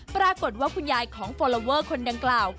ปรากฏว่าคุณยายของฟอลลอเวอร์คนดังกล่าว